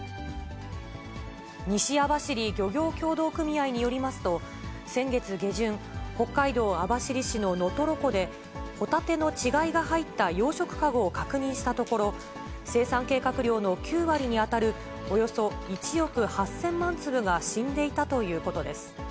西網走漁業協同組合によりますと、先月下旬、北海道網走市の能取湖で、ホタテの稚貝が入った養殖籠を確認したところ、生産計画量の９割に当たる、およそ１億８０００万粒が死んでいたということです。